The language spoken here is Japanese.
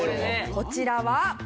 こちらは。